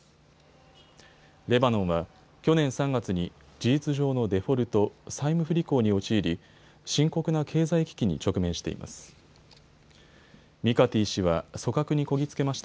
レバノンは去年３月に事実上のデフォルト・債務不履行に陥り深刻な経済危機に直面しています。